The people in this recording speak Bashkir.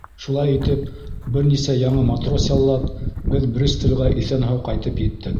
Шулай итеп, бер нисә яңы матрос яллап, беҙ Бристолгә иҫән-һау ҡайтып еттек.